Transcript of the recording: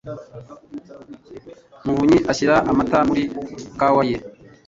muvunyi ashyira amata muri kawa ye.